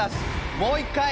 もう一回！